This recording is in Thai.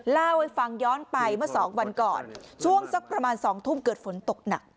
เล่าให้ฟังย้อนไปเมื่อสองวันก่อนช่วงสักประมาณ๒ทุ่มเกิดฝนตกหนัก